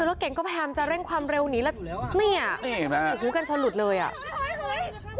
รถเก่งก็แพรมจะเร่งความเร็วนี้ละเนี่ยหูกันชนหลุดเลยอ่ะ